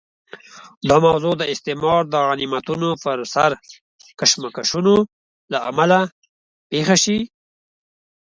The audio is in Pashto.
دا موضوع د استعمار د غنیمتونو پر سر کشمکشونو له امله پېښه شي.